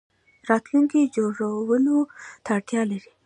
راتلونکی جوړولو ته اړتیا لري